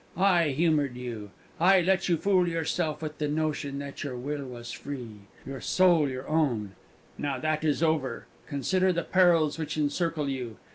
I humoured you; I let you fool yourself with the notion that your will was free your soul your own. Now that is over! Consider the perils which encircle you.